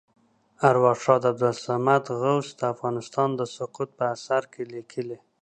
ارواښاد عبدالصمد غوث د افغانستان د سقوط په اثر کې لیکلي.